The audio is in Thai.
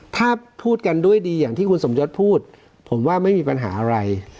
ถ้าพูดกันด้วยดีอย่างที่คุณสมยศพูดผมว่าไม่มีปัญหาอะไร